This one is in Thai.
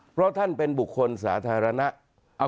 เพราะท่านเป็นบุคคลสาธารณะ